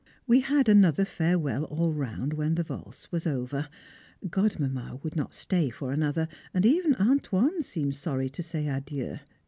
We had another farewell all round when the valse was over Godmamma would not stay for another, and even "Antoine" seemed sorry to say "_Adieu.